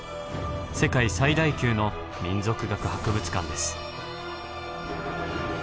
世界最大級の民族学博物館です。